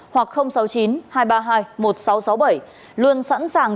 hoặc sáu mươi chín hai trăm ba mươi hai một nghìn sáu trăm sáu mươi bảy luôn sẵn sàng